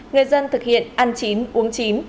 người dân thực hiện ăn chín uống chín